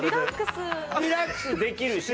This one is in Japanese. リラックスできるし。